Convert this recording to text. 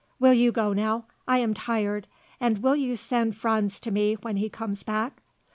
Will you go now? I am tired. And will you send Franz to me when he comes back?"